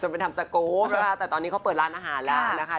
ไปทำสกรูปนะคะแต่ตอนนี้เขาเปิดร้านอาหารแล้วนะคะ